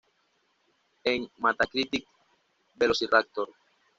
En Metacritic, "Velociraptor!